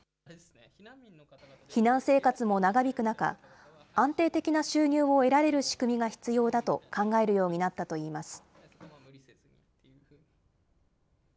避難生活も長引く中、安定的な収入を得られる仕組みが必要だと考えるようになったといいます。